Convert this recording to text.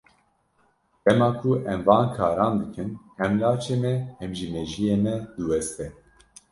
Dema ku em van karan dikin, hem laşê me, hem jî mejiyê me diweste.